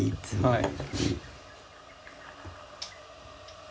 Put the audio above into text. はい。